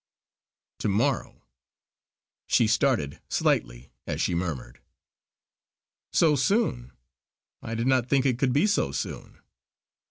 "To morrow!" She started slightly as she murmured: "So soon! I did not think it could be so soon."